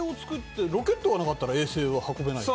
ロケットがなかったら衛星は運べない。